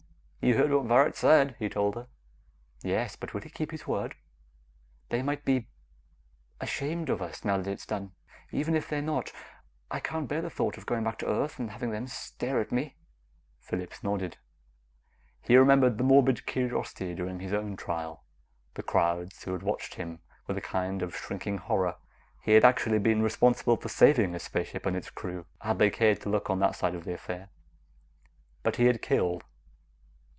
"You heard what Varret said," he told her. "Yes, but will he keep his word? They might be ... ashamed of us, now that it's done. Even if they're not, I can't bear the thought of going back to Earth and having them stare at me!" Phillips nodded. He remembered the morbid curiosity during his own trial, the crowds who had watched him with a kind of shrinking horror and he had actually been responsible for saving a spaceship and its crew, had they cared to look on that side of the affair. But he had killed.